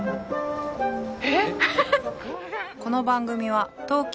えっ？